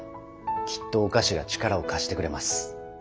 きっとお菓子が力を貸してくれます。